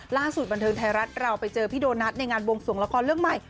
ล่าสุดบันเทิงไทยรัฐเราไปเจอพี่โดนัทในงานวงสวงละครเรื่องใหม่